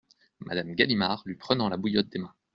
Madame Galimard , lui prenant la bouillotte des mains.